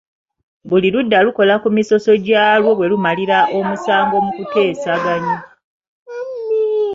Buli ludda lukola ku misoso gyalwo bwe mumalira omusango mu kuteesaganya.